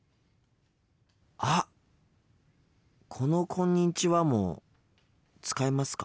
あっこの「こんにちは」も使いますか？